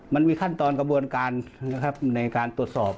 มันมีขั้นตอนกระบวนการนะครับในการตรวจสอบ